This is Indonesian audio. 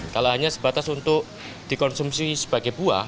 kalau hanya sebatas untuk dikonsumsi sebagai buah